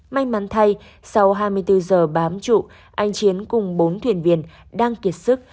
may mắn thay sau hai mươi bốn giờ bám trụ anh chiến cùng bốn thuyền viên đang kiệt sức